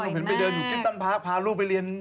ตอนวันผมเห็นไปเดินอยู่คิตตอนพักพาลูกไปเรียน